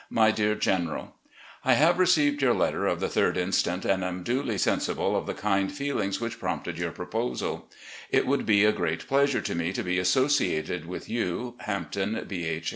"My Dear General: I have received your letter of the 3d inst., and am duly sensible of the kind feelings which 376 FAILING HEALTH 377 prompted your proposal. It would be a great pleasure to me to be associated with you, Hampton, B. H.